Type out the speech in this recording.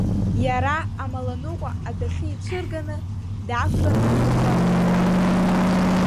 Иара амаланыҟәа адәахьы ицәырганы, дақәтәан аныҟәара далагеит.